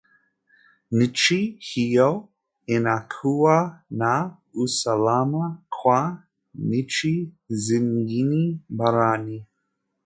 nchi hiyo inakuwa na usalama kwa nchi zingine barani